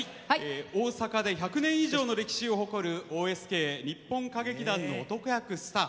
大阪で１００年以上の歴史を誇るＯＳＫ日本歌劇団の男役スター。